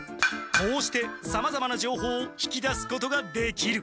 こうしてさまざまなじょうほうを引き出すことができる。